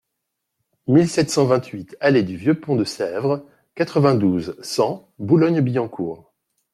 mille sept cent vingt-huit allée du Vieux Pont de Sèvres, quatre-vingt-douze, cent, Boulogne-Billancourt